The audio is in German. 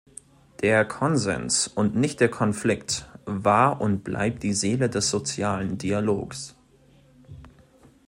Der Konsens und nicht der Konflikt war und bleibt die Seele des sozialen Dialogs.